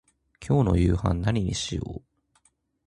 今日の夕飯何にしよう。